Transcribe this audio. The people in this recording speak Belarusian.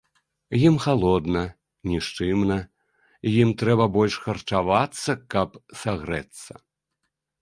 Ім халодна, нішчымна, ім трэба больш харчавацца, каб сагрэцца.